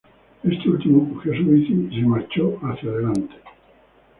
Este último cogió su bici y se marchó hacía adelante.